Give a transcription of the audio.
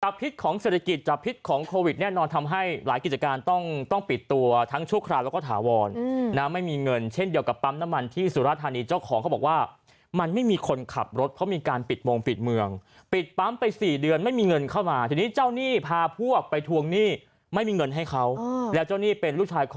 พิษของเศรษฐกิจจับพิษของโควิดแน่นอนทำให้หลายกิจการต้องต้องปิดตัวทั้งชั่วคราวแล้วก็ถาวรนะไม่มีเงินเช่นเดียวกับปั๊มน้ำมันที่สุราธานีเจ้าของเขาบอกว่ามันไม่มีคนขับรถเพราะมีการปิดวงปิดเมืองปิดปั๊มไปสี่เดือนไม่มีเงินเข้ามาทีนี้เจ้าหนี้พาพวกไปทวงหนี้ไม่มีเงินให้เขาแล้วเจ้าหนี้เป็นลูกชาย